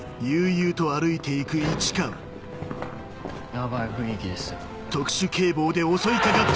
ヤバい雰囲気ですよ。